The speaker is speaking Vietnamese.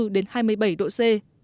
đến hai mươi bảy độ c